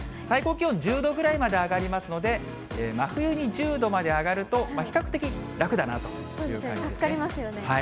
最高気温１０度ぐらいまで上がりますので、真冬に１０度まで上がると、助かりますよね。